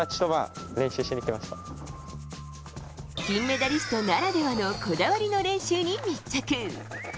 金メダリストならではのこだわりの練習に密着。